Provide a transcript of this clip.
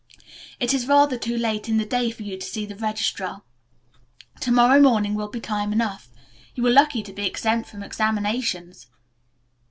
It is rather too late in the day for you to see the registrar. To morrow morning will be time enough. You are lucky to be exempt from examinations."